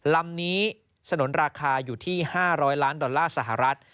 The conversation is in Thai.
ลำนี้สนุนราคาอยู่ที่๕๐๐ล้านดอลลาร์สหรัฐ